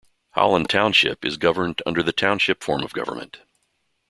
Holland Township is governed under the Township form of government.